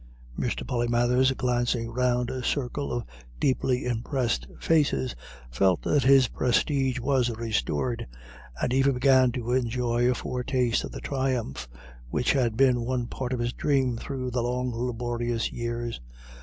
Mr. Polymathers, glancing round a circle of deeply impressed faces, felt that his prestige was restored, and even began to enjoy a foretaste of the triumph, which had been one part of his dream through the long laborious years.